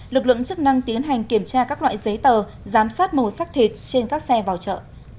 lực lượng chức năng tiến hành kiểm tra các loại giấy tờ giám sát màu sắc thịt trên các xe vào chợ